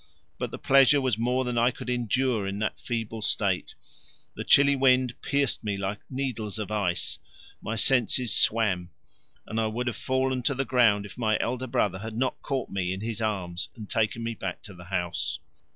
But the pleasure was more than I could endure in that feeble state; the chilly wind pierced me like needles of ice, my senses swam, and I would have fallen to the ground if my elder brother had not caught me in his arms and taken me back to the house.